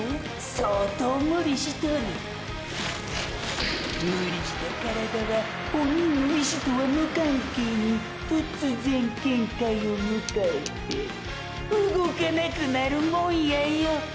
相当ムリしとるムリした体は本人の意思とは無関係に突然限界を迎えて動かなくなるもんやよ！！